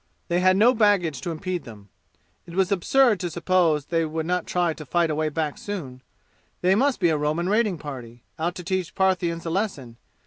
They had no baggage to impede them. It was absurd to suppose they would not try to fight a way back soon. They must be a Roman raiding party, out to teach Parthians a lesson.